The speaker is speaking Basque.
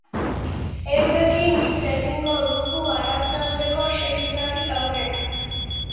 Eurekin hitz egingo dugu arratsaldeko seietatik aurrera.